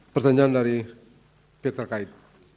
pertanyaan dari peter kait